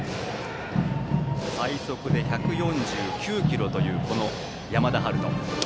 最速１４９キロという山田陽翔。